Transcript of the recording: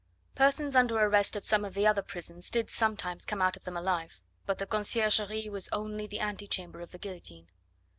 Persons under arrest at some of the other prisons did sometimes come out of them alive, but the Conciergerie was only the ante chamber of the guillotine.